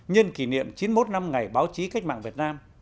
nhân kỷ niệm chín mươi một năm ngày báo chí cách mạng việt nam